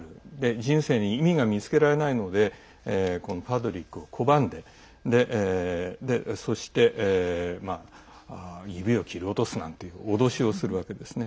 人生に意味が見つけられないのでパードリックを拒んでそして指を切り落とすなんていう脅しをするわけですね。